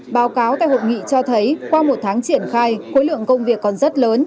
báo cáo tại hội nghị cho thấy qua một tháng triển khai khối lượng công việc còn rất lớn